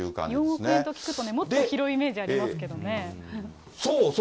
４億円と聞くともっと広いイメージありますけどね。